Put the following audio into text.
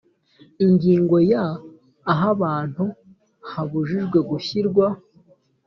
ingingo ya ahantu habujijwe gushyirwa